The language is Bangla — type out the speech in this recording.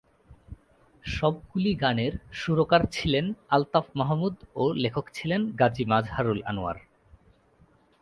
সবগুলি গানের সুরকার ছিলেন আলতাফ মাহমুদ ও লেখক ছিলেন গাজী মাজহারুল আনোয়ার।